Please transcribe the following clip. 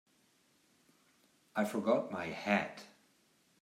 I forgot my hat.